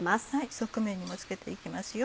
側面にも付けて行きますよ